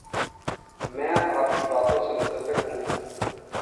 میں آپ کی باتوں سے متفق ہوں